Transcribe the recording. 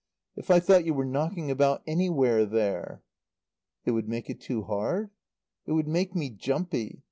If I thought you were knocking about anywhere there " "It would make it too hard?" "It would make me jumpy.